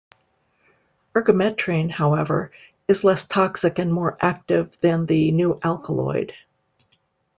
Ergometrine, however, is less toxic and more active than the new alkaloid.